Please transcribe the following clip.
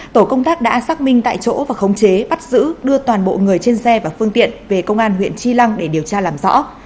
tổ công tác đã xác minh tại chỗ và khống chế bắt giữ đưa toàn bộ người trên xe và phương tiện về công an huyện tri lăng để điều tra làm rõ